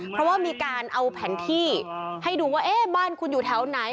เพราะว่ามีการเอาแผนที่ให้ดูว่าเอ๊ะบ้านคุณอยู่แถวไหน